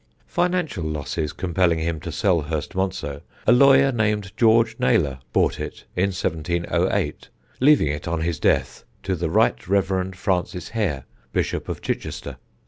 Financial losses compelling him to sell Hurstmonceux, a lawyer named George Naylor bought it in 1708, leaving it, on his death, to the Right Rev. Francis Hare, Bishop of Chichester.